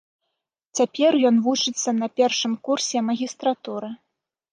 Цяпер ён вучыцца на першым курсе магістратуры.